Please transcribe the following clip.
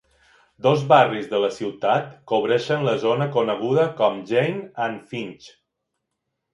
Dos barris de la ciutat cobreixen la zona coneguda com "Jane and Finch".